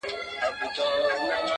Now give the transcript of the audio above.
ولي ګناکاري زما د ښار سپيني کفتري دي,